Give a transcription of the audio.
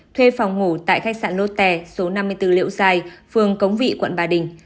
thuê phòng ngủ tại khách sạn lotte số năm mươi bốn liễu giai phường cống vị quận ba đình